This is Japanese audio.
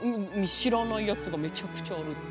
知らないやつがめちゃくちゃあるって。